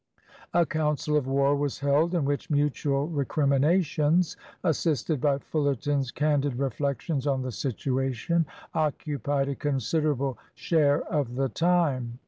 A council of war was held, in which mutual recriminations, assisted by Fullerton's candid reflections on the situation, occupied a considerable share of the time.